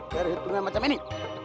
perhitungan macam ini